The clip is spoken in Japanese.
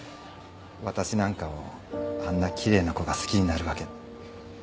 私なんかをあんな奇麗な子が好きになるわけ。